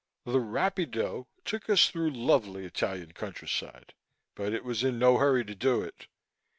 The rapido took us through lovely Italian countryside, but it was in no hurry to do it.